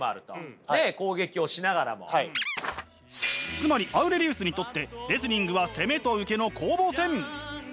つまりアウレリウスにとってレスリングは攻めと受けの攻防戦。